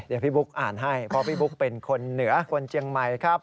เดี๋ยวพี่บุ๊กอ่านให้เพราะพี่บุ๊กเป็นคนเหนือคนเจียงใหม่ครับ